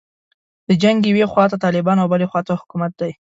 د جنګ یوې خواته طالبان او بلې خواته حکومت دی.